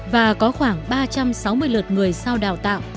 và có khoảng ba trăm sáu mươi lượt người sau đào tạo